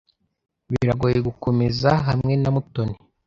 Biragoye gukomeza hamwe na Mutoni.